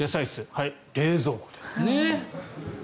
冷蔵庫です。